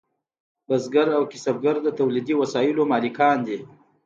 بزګر او کسبګر د تولیدي وسایلو مالکان دي.